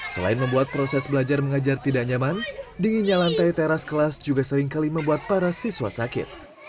selain membuat proses belajar mengajar tidak nyaman dinginnya lantai teras kelas juga seringkali membuat para siswa sakit